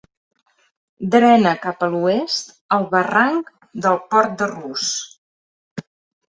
Drena cap a l'oest, al Barranc del Port de Rus.